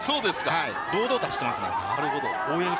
堂々と走っています。